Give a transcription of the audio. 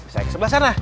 saya ke sebelah sana